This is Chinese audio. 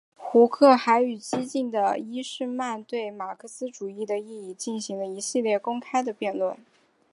胡克还与激进的伊士曼对马克思主义的意义进行了一系列公开的辩论。